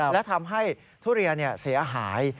และทำให้ทุเรียนเสียหาย